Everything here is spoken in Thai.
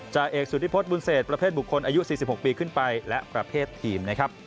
จ่าเอกสุธิพฤษบุญเศษประเภทบุคคลอายุ๔๖ปีขึ้นไปและประเภททีมนะครับ